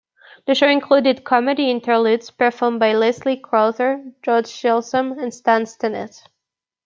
The show included "comedy interludes" performed by Leslie Crowther, George Chisholm and Stan Stennett.